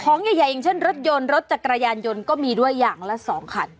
ของใหญ่อย่างเช่นรถยนต์รถจากกระยานยนต์มีอย่างละ๒ขัด